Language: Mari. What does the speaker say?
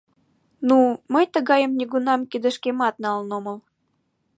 Ну, мый тыгайым нигунам кидышкемат налын омыл.